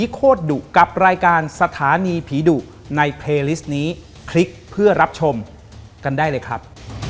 ขอบคุณครับคุณหนึ่งครับ